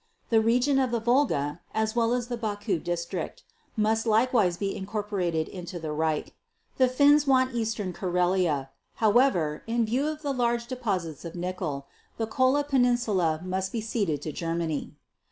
The region of the Volga as well as the Baku district must likewise be incorporated into the Reich. The Finns want Eastern Karelia. However, in view of the large deposits of nickel, the Kola peninsula must be ceded to Germany."